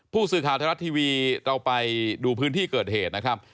ผู้สื่อข่าวไทยรัฐทีวีเราไปดูพื้นที่เกิดเหตุนะครับ